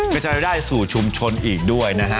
ก็จะได้สู่ชุมชนอีกด้วยนะฮะ